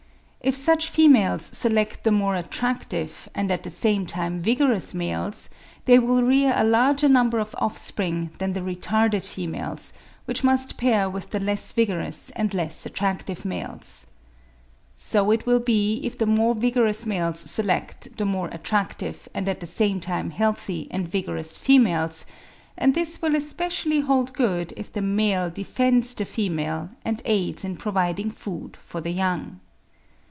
If such females select the more attractive, and at the same time vigorous males, they will rear a larger number of offspring than the retarded females, which must pair with the less vigorous and less attractive males. So it will be if the more vigorous males select the more attractive and at the same time healthy and vigorous females; and this will especially hold good if the male defends the female, and aids in providing food for the young.